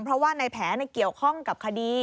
เพราะว่าในแผลเกี่ยวข้องกับคดี